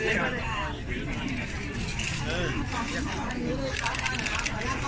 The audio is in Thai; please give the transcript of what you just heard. สวัสดีครับ